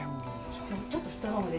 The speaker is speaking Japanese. ちょっとストロングで。